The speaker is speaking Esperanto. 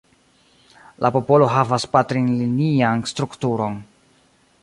La popolo havas patrinlinian strukturon.